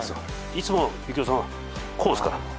いつも幸雄さんはこうですから。